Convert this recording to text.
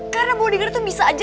karena bodyguard tuh bisa aja